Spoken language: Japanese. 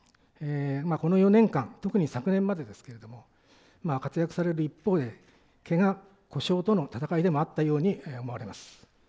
この４年間、特に昨年までですけれども、活躍される一方でけが、故障との戦いでもあったように思います。